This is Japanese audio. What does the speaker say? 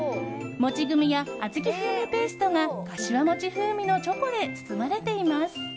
もちグミや小豆風味ペーストがかしわもち風味のチョコで包まれています。